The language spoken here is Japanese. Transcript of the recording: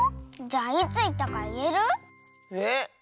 じゃあいついったかいえる？え？